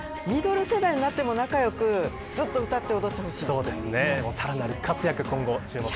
ミドル世代になっても、仲良くずっと歌って踊ってほしい。